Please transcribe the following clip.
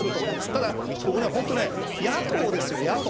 ただ、僕ね、本当ね、野党ですよ、野党。